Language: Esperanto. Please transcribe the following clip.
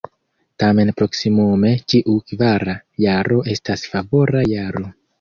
Tamen proksimume ĉiu kvara jaro estas favora jaro.